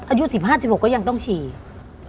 อายุสิบห้านสิบหกก็ยังต้องฉีก